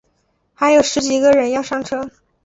还有十几个人要上车